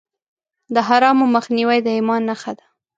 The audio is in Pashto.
د حرامو مخنیوی د ایمان نښه ده.